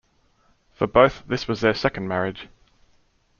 For both, this was their second marriage.